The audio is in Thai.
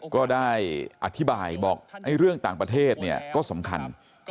ก็ได้อธิบายบอกเรื่องต่างประเทศเนี่ยก็สำคัญ